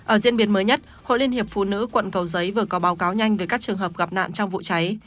ở diễn biến mới nhất hội liên hiệp phụ nữ quận cầu giấy vừa có báo cáo nhanh về các trường hợp gặp nạn trong vụ cháy